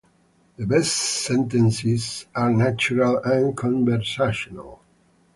The best sentences are natural and conversational